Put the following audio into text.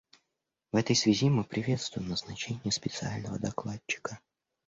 В этой связи мы приветствуем назначение специального докладчика.